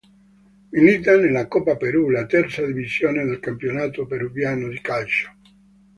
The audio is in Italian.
Milita nella Copa Perú, la terza divisione del campionato peruviano di calcio.